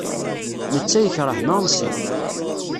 Netta yekṛeh Nancy.